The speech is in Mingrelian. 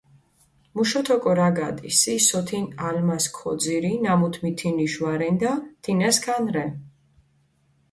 მუშოთ ოკო რაგადი, სი სოთინ ალმასი ქოძირი, ნამუთ მითინიშ ვარენ-და, თინა სქან რე.